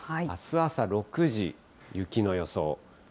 あす朝６時、雪の予想。